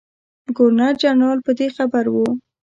ګورنر جنرال په دې خبر وو.